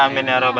sampai di kor ya